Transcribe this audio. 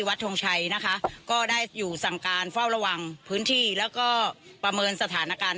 ทงชัยนะคะก็ได้อยู่สั่งการเฝ้าระวังพื้นที่แล้วก็ประเมินสถานการณ์